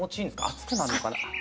暑くなるのかな。